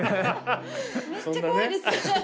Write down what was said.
めっちゃ怖いですガオー！